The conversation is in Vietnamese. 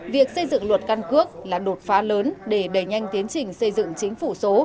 việc xây dựng luật căn cước là đột phá lớn để đẩy nhanh tiến trình xây dựng chính phủ số